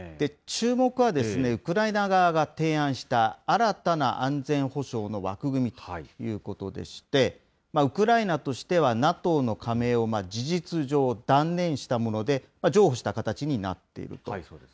注目は、ウクライナ側が提案した、新たな安全保障の枠組みということでして、ウクライナとしては、ＮＡＴＯの加盟を事実上断念したもので、譲歩した形になっていると。